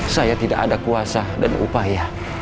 saya tidak ada kuasa dan upaya